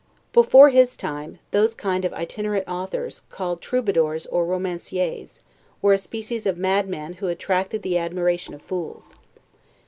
Before his time, those kind of itinerant authors, called troubadours or romanciers, were a species of madmen who attracted the admiration of fools.